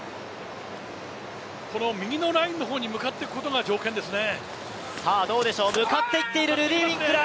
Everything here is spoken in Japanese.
この右のラインの方に向かっていくことが条件ですね。